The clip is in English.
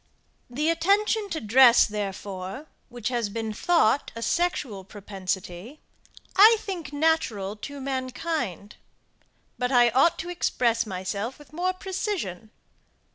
The attention to dress, therefore, which has been thought a sexual propensity, I think natural to mankind. But I ought to express myself with more precision.